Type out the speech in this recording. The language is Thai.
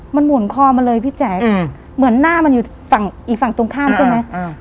มันหมุนคอมาเลยพี่แจ๊คเหมือนหน้ามันอยู่ฝั่งอีกฝั่งตรงข้ามใช่ไหม